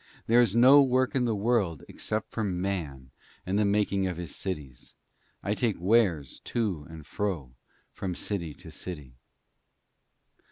There is no work in the world except for Man and the making of his cities. I take wares to and fro from city to city.'